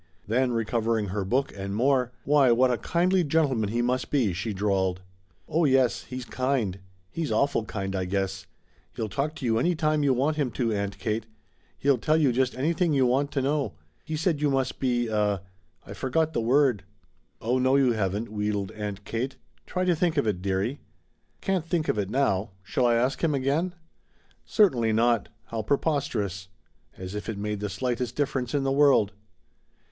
Then, recovering her book and more "Why what a kindly gentleman he must be," she drawled. "Oh yes, he's kind. He's awful kind, I guess. He'll talk to you any time you want him to, Aunt Kate. He'll tell you just anything you want to know. He said you must be a I forgot the word." "Oh no, you haven't," wheedled Aunt Kate. "Try to think of it, dearie." "Can't think of it now. Shall I ask him again?" "Certainly not! How preposterous! As if it made the slightest difference in the world!"